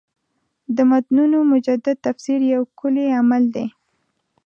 د متنونو مجدد تفسیر یو کُلي عمل دی.